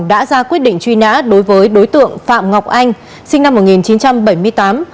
đã ra quyết định truy nã đối với đối tượng phạm ngọc anh sinh năm một nghìn chín trăm bảy mươi tám